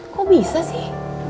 kok bisa sih